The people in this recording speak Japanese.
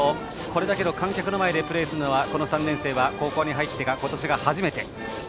これだけの観客の前でプレーするのはこの３年生は高校に入って今年が初めて。